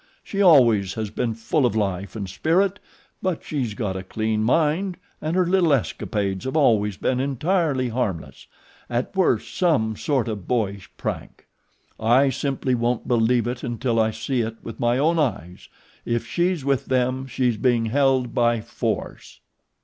She always has been full of life and spirit; but she's got a clean mind, and her little escapades have always been entirely harmless at worst some sort of boyish prank. I simply won't believe it until I see it with my own eyes. If she's with them she's being held by force."